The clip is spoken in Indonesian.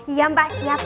iya mbak siap